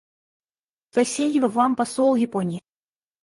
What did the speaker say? Спасибо Вам, посол Японии.